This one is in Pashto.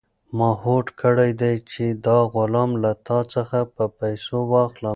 ما هوډ کړی دی چې دا غلام له تا څخه په پیسو واخلم.